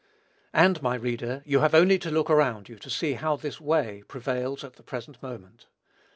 And, my reader, you have only to look around you to see how this "way" prevails at the present moment.